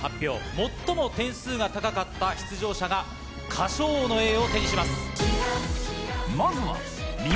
最も点数が高かった出場者が歌唱王の栄誉を手にします。